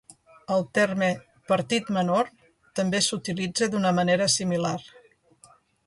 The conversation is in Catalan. El terme "partit menor" també s'utilitza d'una manera similar.